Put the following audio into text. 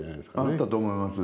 あったと思います。